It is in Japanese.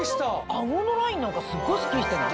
アゴのラインなんかすごいスッキリしてない？